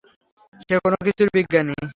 সে কোন কিছুর বিজ্ঞানী।